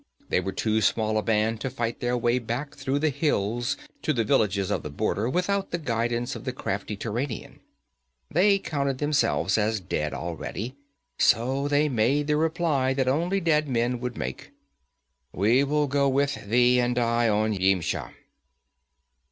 They were too small a band to fight their way back through the hills to the villages of the border, without the guidance of the crafty Turanian. They counted themselves as dead already, so they made the reply that only dead men would make: 'We will go with thee and die on Yimsha.'